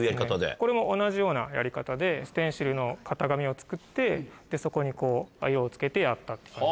これも同じようなやり方でステンシルの型紙を作ってでそこに色を付けてやったって感じですね。